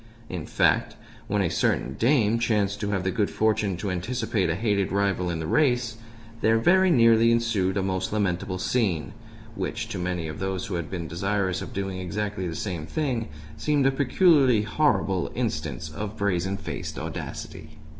In fact, when a certain dame chanced to have the good fortune to anticipate a hated rival in the race there very nearly ensued a most lamentable scene which, to many of those who had been desirous of doing exactly the same thing, seemed a peculiarly horrible instance of brazen faced audacity.